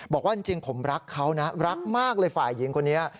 บอกว่าจริงผมรักเขานะรักมากเลยฝ่ายหญิงคนนี้